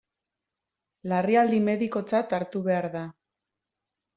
Larrialdi medikotzat hartu behar da.